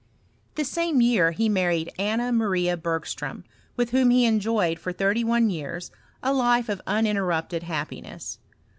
The same year he married Anna Maria Bergstrom, with whom he enjoyed for thirty one years a life of uninterrupted happiness.